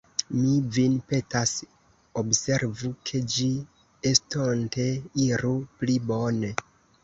Mi vin petas, observu, ke ĝi estonte iru pli bone.